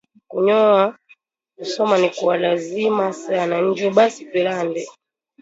Kuyuwa kusoma ni kwa lazima sana nju basi kulande